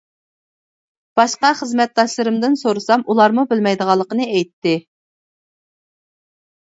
باشقا خىزمەتداشلىرىمدىن سورىسام ئۇلارمۇ بىلمەيدىغانلىقىنى ئېيتتى.